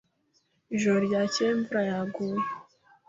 Ijoro ryakeye imvura yaguye.